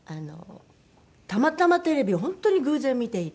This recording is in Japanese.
たまたまテレビを本当に偶然見ていて。